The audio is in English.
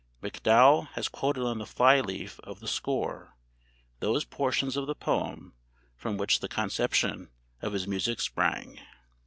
MacDowell has quoted on the fly leaf of the score those portions of the poem from which the conception of his music sprang.